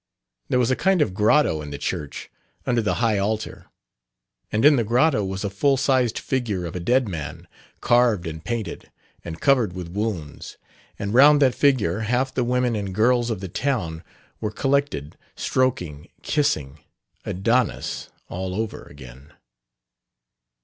There was a kind of grotto in the church, under the high altar; and in the grotto was a full sized figure of a dead man, carved and painted and covered with wounds; and round that figure half the women and girls of the town were collected, stroking, kissing ... Adonis all over again!"